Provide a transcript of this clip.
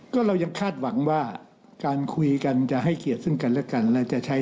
ก็เรายังคาดหวังว่าการคุยกันจะให้เกียรติซึ่งกันและกันและจะใช้